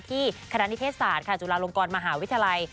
คณะนิเทศศาสตร์ค่ะจุฬาลงกรมหาวิทยาลัย